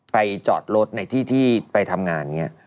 ไปจอดรถในที่ที่ไปทำงานเนี่ย